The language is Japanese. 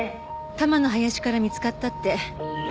多摩の林から見つかったって。